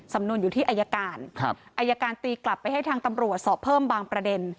สำนวนอยู่ที่อายการอายการตีกลับไปให้ทางตำรวจสอบเพิ่มบางประเด็น